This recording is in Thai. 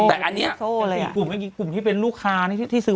แต่อันนี้กลุ่มที่เป็นลูกค้านี่ที่ซื้อ